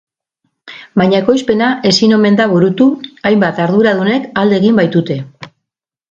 Baina ekoizpena ezin omen da burutu, hainbat arduradunek alde egin baitute.